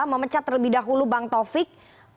memecat terlebih dahulu bang taufik